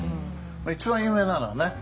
一番有名なのはね